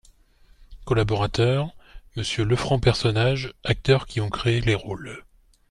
COLLABORATEUR : Monsieur LEFRANC PERSONNAGES Acteurs qui ont créé les rôles.